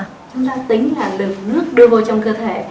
chúng ta tính là được nước đưa vô trong cơ thể